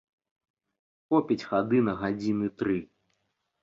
Хопіць хады на гадзіны тры.